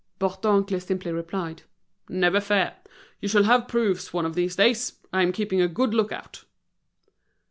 Bourdoncle simply replied: "Never fear, you shall have proofs one of these days. I'm keeping a good look out."